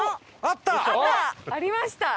ありました。